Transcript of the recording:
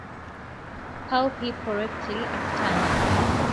Palpi porrectly upturned.